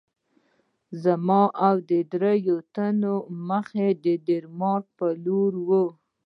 زما او د دریو تنو مخه د ډنمارک په لور وه.